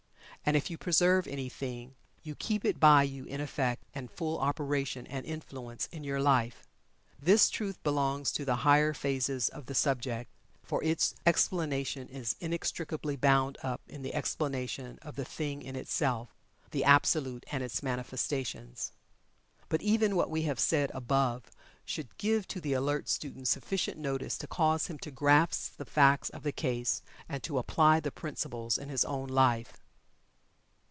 And if you preserve anything, you keep it by you in effect and full operation and influence in your life. This truth belongs to the higher phases of the subject, for its explanation is inextricably bound up in the explanation of the "Thing in Itself" the Absolute and Its Manifestations. But even what we have said above, should give to the alert student sufficient notice to cause him to grasp the facts of the case, and to apply the principles in his own life.